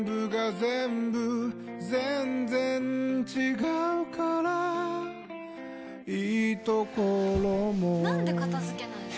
全然違うからいいところもなんで片付けないの？